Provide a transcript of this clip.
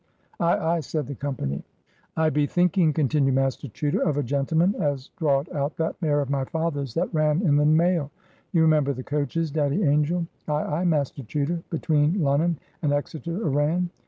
"Ay, ay!" said the company. "I be thinking," continued Master Chuter, "of a gentlemen as draad out that mare of my father's that ran in the mail. You remember the coaches, Daddy Angel?" "Ay, ay, Master Chuter. Between Lonnon and Exeter a ran.